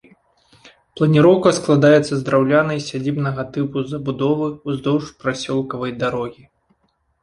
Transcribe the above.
Планіроўка складаецца з драўлянай, сядзібнага тыпу, забудовы ўздоўж прасёлкавай дарогі.